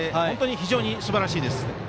非常にすばらしいです。